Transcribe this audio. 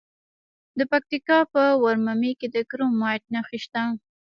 د پکتیکا په ورممی کې د کرومایټ نښې شته.